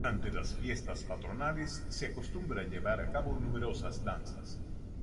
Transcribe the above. Durante las fiestas patronales se acostumbra llevar a cabo numerosas danzas.